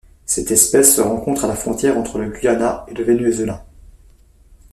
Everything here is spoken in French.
Cette espèce se rencontre à la frontière entre le Guyana et le Venezuela.